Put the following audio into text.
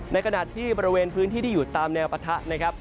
ในขณะที่บริเวณพื้นที่ที่อยู่ตามแนวปะทะนะครับ